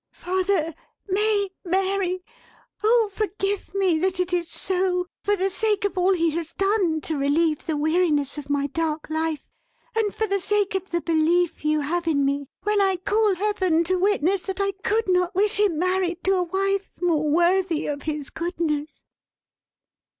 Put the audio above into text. Father, May, Mary! oh forgive me that it is so, for the sake of all he has done to relieve the weariness of my dark life: and for the sake of the belief you have in me, when I call Heaven to witness that I could not wish him married to a wife more worthy of his Goodness!"